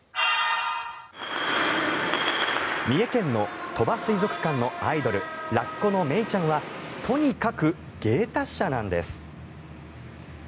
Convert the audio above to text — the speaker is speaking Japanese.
三重県の鳥羽水族館のアイドルラッコのメイちゃんはとにかく芸達者なんです。